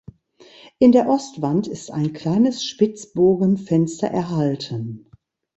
In der Ostwand ist ein kleines Spitzbogenfenster erhalten.